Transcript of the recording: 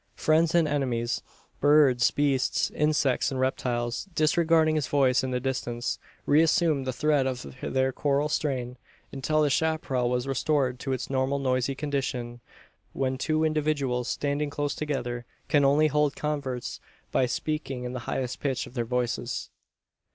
Friends and enemies birds, beasts, insects, and reptiles disregarding his voice in the distance, reassumed the thread of their choral strain; until the chapparal was restored to its normal noisy condition, when two individuals standing close together, can only hold converse by speaking in the highest pitch of their voices!